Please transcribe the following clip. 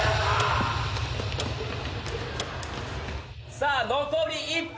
さあ残り１分。